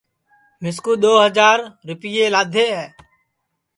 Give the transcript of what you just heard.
مِسکُُو دؔو ہجار رِیپئے لادھے ہے